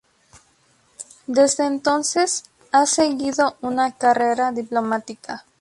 Desde entonces, ha seguido una carrera diplomática.